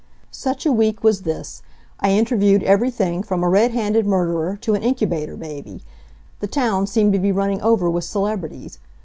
Such a week was this. I interviewed everything from a red handed murderer to an incubator baby. The town seemed to be running over with celebrities.